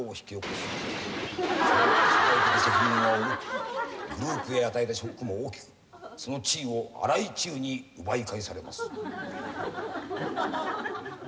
その社会的責任は重くグループへ与えたショックも大きくその地位を荒井注に奪い返されます。